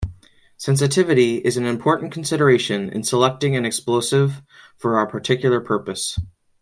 Sensitivity is an important consideration in selecting an explosive for a particular purpose.